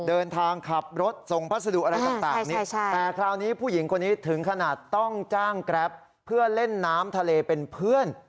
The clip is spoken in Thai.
เดินทางขับรถส่งภาษาดูอะไรกันแต่คราวนี้ผู้หญิงคนนี้ถึงขนาดต้องจ้างกราฟเพื่อเล่นน้ำทะเลเป็นเพื่อน